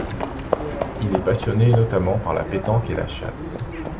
Il est passionné notamment par la pétanque et la chasse.